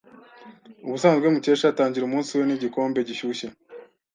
Ubusanzwe Mukesha atangira umunsi we nigikombe gishyushye.